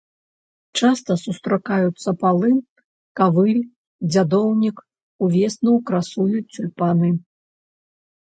Часта сустракаюцца палын, кавыль, дзядоўнік, увесну красуюць цюльпаны.